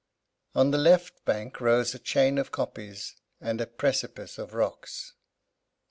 On the left bank rose a chain of kopjes and a precipice of rocks.